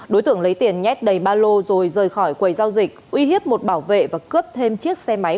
đối tượng lấy tiền nhét đầy ba lô rồi rời khỏi quầy giao dịch uy hiếp một bảo vệ và cướp thêm chiếc xe máy